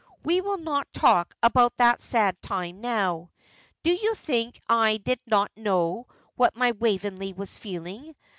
"We will not talk about that sad time now. Do you think I did not know what my Waveney was feeling?